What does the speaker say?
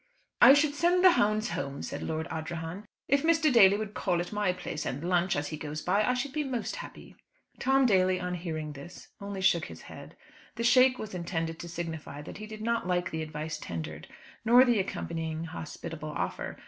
"I should send the hounds home," said Lord Ardrahan. "If Mr. Daly would call at my place and lunch, as he goes by, I should be most happy." Tom Daly, on hearing this, only shook his head. The shake was intended to signify that he did not like the advice tendered, nor the accompanying hospitable offer.